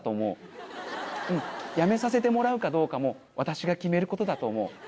うんやめさせてもらうかどうかも私が決める事だと思う。